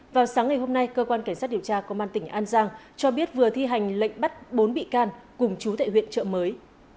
vào sáng ngày hôm nay cơ quan cảnh sát điều tra công an tỉnh an giang cho biết vừa thi hành lệnh bắt bốn bị can cùng chú tại huyện trợ mới